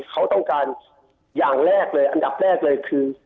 เขาต้องการอย่างแรกเลยอันดับแรกเลยคือ